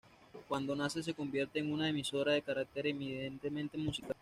Cuando nace se convierte en una emisora de carácter eminentemente musical.